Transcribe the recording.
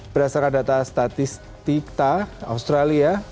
berdasarkan data statistica australia